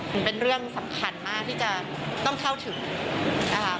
มันเป็นเรื่องสำคัญมากที่จะต้องเข้าถึงนะคะ